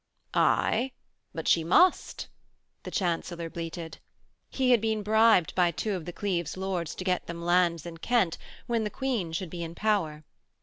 'Aye, but she must,' the Chancellor bleated. He had been bribed by two of the Cleves lords to get them lands in Kent when the Queen should be in power.